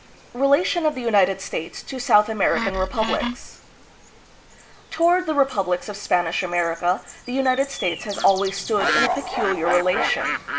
Relation of the United States to South American Repub lics. Toward the republics of Spanish America the United States has always stood in a peculiar relation.